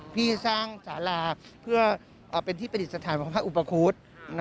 พี่สร้างสาราเพื่อเป็นที่ประดิษฐานของพระอุปคุฎ